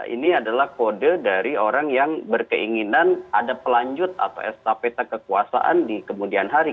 ini adalah kode dari orang yang berkeinginan ada pelanjut atau estapeta kekuasaan di kemudian hari